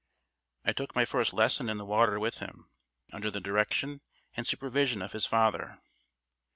I took my first lesson in the water with him, under the direction and supervision of his father.